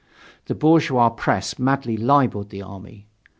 The bourgeois press madly libelled the army.